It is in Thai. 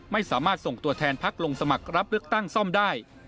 ไม่สามารถส่งตัวแทนพักลงสมัครรับเลือกตั้งซ่อมได้